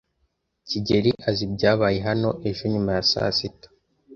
kigeli azi ibyabaye hano ejo nyuma ya saa sita.